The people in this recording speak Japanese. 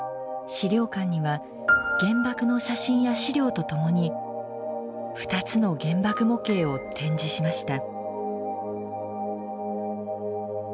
資料館には原爆の写真や資料とともに２つの原爆模型を展示しました。